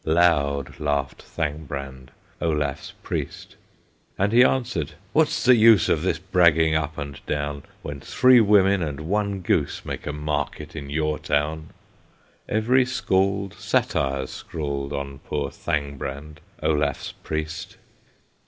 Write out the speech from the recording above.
Loud laughed Thangbrand, Olaf's Priest. And he answered: "What's the use Of this bragging up and down, When three women and one goose Make a market in your town!" Every Scald Satires scrawled On poor Thangbrand, Olaf's Priest.